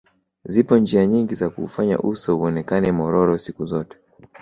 Zipo njia nyingi za kuufanya uso uonekane mororo siku zote